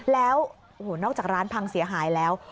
แล้วโอ้โหนอกจากร้านพังเสียหายแล้ว